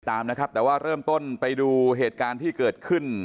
ตามนะครับแต่ว่าเริ่มต้นไปดูเหตุการณ์ที่เกิดขึ้น